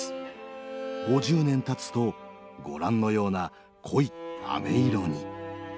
５０年たつとご覧のような濃いあめ色に。